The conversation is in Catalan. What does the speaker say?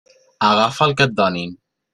Agafa el que et donin.